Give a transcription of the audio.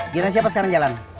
gimana siapa sekarang jalan